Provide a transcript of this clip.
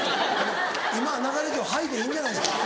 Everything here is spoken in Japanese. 今流れ上「はい」でいいんじゃないですか？